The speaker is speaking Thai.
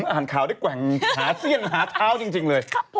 อ้ากีอ่านข่าวด้วยแห่งขาเที่ยวหนาเท้าจริงเลย